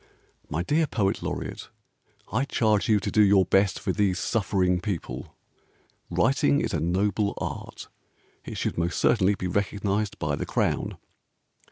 My dear Poet Laureate, I charge you to do your best for these suffering people. WRITING IS A NOBLE ART, IT SHOULD MOST CERTAINLY BE RECOGNISED BY THE CROWN.